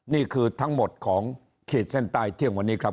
นี่คือทั้งหมดของขีดเส้นใต้เที่ยงวันนี้ครับ